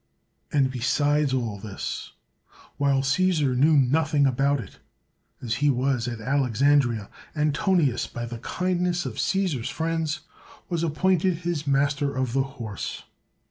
And besides all this, while Caesar knew nothing about it, as he was at Alexandria, Antonius, by the kindness of Caesar's friends, was appointed his master of the horse.